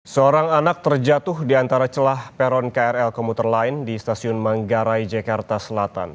seorang anak terjatuh di antara celah peron krl komuter line di stasiun manggarai jakarta selatan